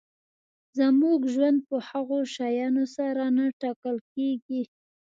زموږ ژوند په هغو شیانو سره نه ټاکل کېږي.